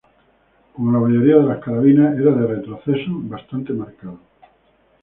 Como la mayoría de las carabinas, era de retroceso bastante marcado.